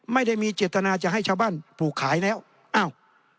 ไม่ได้มีเจตนาจะให้ชาวบ้านปลูกขายแล้วอ้าว